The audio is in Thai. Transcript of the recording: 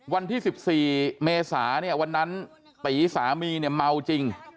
วันที่๑๔เมษาเนี่ยวันนั้นตีสามีเนี่ยเมาจริง